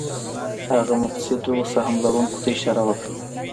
هغه مفسدو سهم لرونکو ته اشاره وکړه.